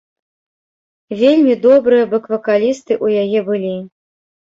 Вельмі добрыя бэк-вакалісты ў яе былі.